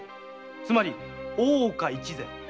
つまり大岡一善。